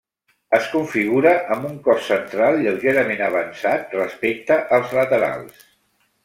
Es configura amb un cos central lleugerament avançat respecte als laterals.